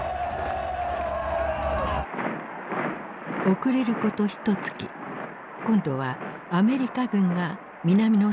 遅れることひとつき今度はアメリカ軍が南のソウルに入った。